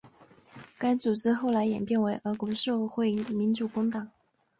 该组织后来演变为俄国社会民主工党。